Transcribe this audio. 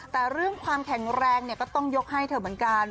แต่เรื่องความแข็งแรงก็ต้องยกให้เธอเหมือนกัน